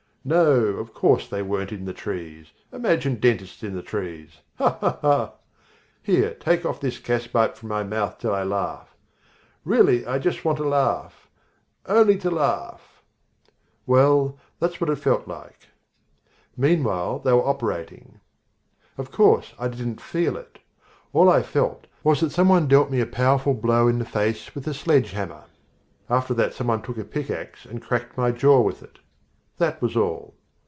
No; of course they weren't in the trees imagine dentists in the trees ha! ha! Here, take off this gaspipe from my face till I laugh really I just want to laugh only to laugh Well, that's what it felt like. Meanwhile they were operating. [Illustration: I did go ... I kept the appointment.] Of course I didn't feel it. All I felt was that someone dealt me a powerful blow in the face with a sledgehammer. After that somebody took a pickax and cracked in my jaw with it. That was all.